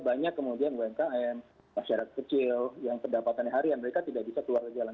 banyak kemudian umkm masyarakat kecil yang pendapatannya harian mereka tidak bisa keluar ke jalan